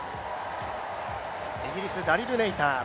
イギリス、ダリル・ネイタ。